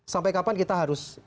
sampai kapan kita harus